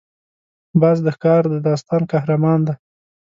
باز د ښکار د داستان قهرمان دی